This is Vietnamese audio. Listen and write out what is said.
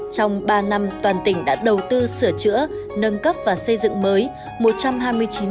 trong ba năm toàn tỉnh đã đầu tư sửa chữa nâng cấp và xây dựng mới